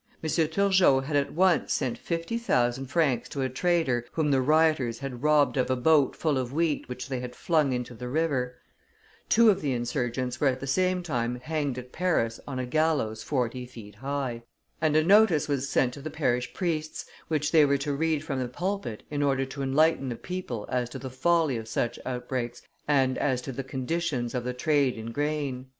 M. Turgot had at once sent fifty thousand francs to a trader whom the rioters had robbed of a boat full of wheat which they had flung into the river; two of the insurgents were at the same time hanged at Paris on a gallows forty feet high; and a notice was sent to the parish priests, which they were to read from the pulpit in order to enlighten the people as to the folly of such outbreaks and as to the conditions of the trade in grain.